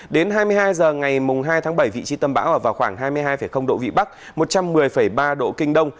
đến hai mươi hai giờ ngày hai tháng bảy vị trí tâm bão vào khoảng hai mươi hai độ vị bắc một trăm một mươi ba độ kinh đông